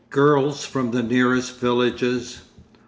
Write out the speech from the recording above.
Girls from the nearest villages?